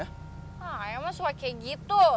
emang ayah mah suai kayak gitu